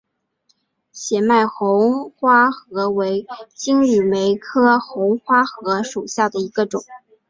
显脉红花荷为金缕梅科红花荷属下的一个种。